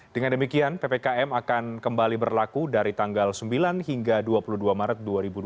dengan demikian ppkm akan kembali berlaku dari tanggal sembilan hingga dua puluh dua maret dua ribu dua puluh